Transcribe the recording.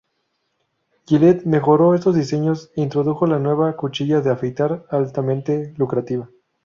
Gillette mejoró estos diseños e introdujo la nueva cuchilla de afeitar altamente lucrativa.